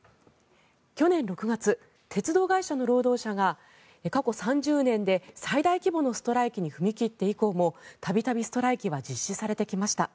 去年６月、鉄道会社の労働者が過去３０年で最大規模のストライキに踏み切って以降も度々、ストライキは実施されてきました。